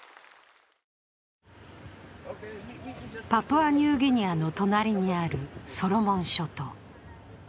パプアニューギニアの隣にあるソロモン諸島。